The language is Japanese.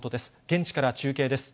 現地から中継です。